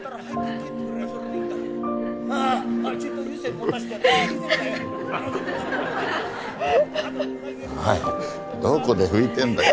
おいどこで拭いてんだよ。